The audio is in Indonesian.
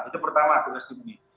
itu pertama aku harus diberi